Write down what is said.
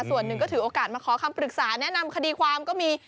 ส่วนหนึ่งก็ถือโอกาสมาขอคำปรึกษาแนะนำคดีความก็มี